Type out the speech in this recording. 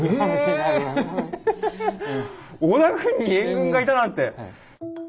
織田軍に援軍がいたなんて！